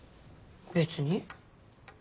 別に。